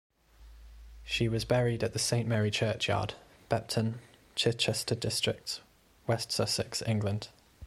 She was buried at the Saint Mary Churchyard, Bepton, Chichester District, West Sussex, England.